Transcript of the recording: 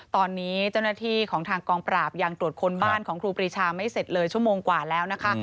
ตอนนี้เจ้าหน้าที่ของทางกองปราบยังตรวจค้นบ้านของครูปรีชาไม่เสร็จเลยชั่วโมงกว่าแล้วนะคะ